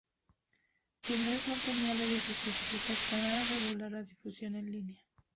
Túnez no tenía leyes específicas para regular la difusión en línea.